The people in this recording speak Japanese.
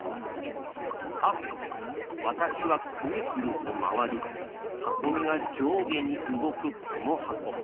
さてわたしはくるくるとまわりはこみはじょうげにうごくこのはこ。